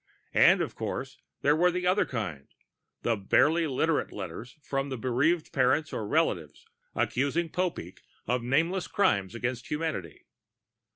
And, of course, there were the other kind the barely literate letters from bereaved parents or relatives, accusing Popeek of nameless crimes against humanity.